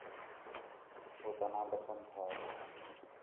ہو تا ناں بسنت ہا